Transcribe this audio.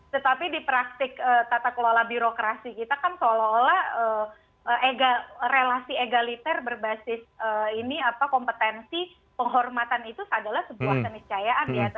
tetapi di praktik tata kelola birokrasi kita kan seolah olah relasi egaliter berbasis ini kompetensi penghormatan itu adalah sebuah keniscayaan ya